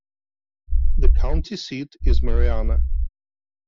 The county seat is Marianna.